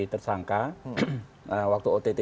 tersangka waktu ott